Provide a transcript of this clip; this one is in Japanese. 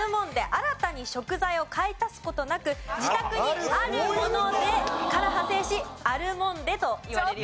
新たに食材を買い足す事なく「自宅にあるもので」から派生しアルモンデといわれるように。